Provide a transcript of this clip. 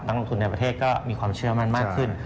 ลงทุนในประเทศก็มีความเชื่อมั่นมากขึ้น